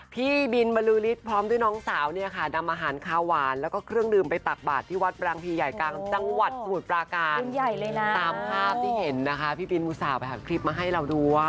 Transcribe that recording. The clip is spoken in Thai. พี่บินมารือริดพร้อมด้วยน้องสาวเนี่ยค่ะ